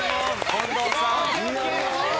近藤さん。